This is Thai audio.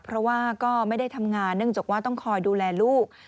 เพราะว่าก็ไม่ได้ทำงานเนื่องจากว่าต้องคอยดูแลลูก